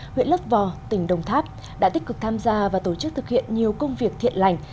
huyện lấp vò tỉnh đồng tháp đã tích cực tham gia và tổ chức thực hiện nhiều công việc thiện lành